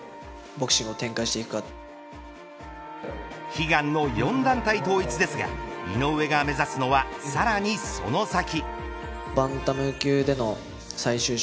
悲願の４団体統一ですが井上が目指すのはさらにその先。